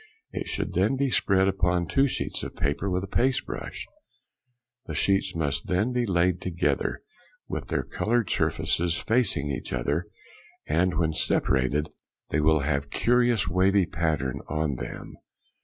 It should then be spread upon two sheets of paper with a paste brush. The sheets must then be laid together with their coloured surfaces facing each other, and when separated they will have a curious wavy pattern on them.